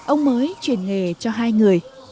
ông mới chuyển nghề cho hai người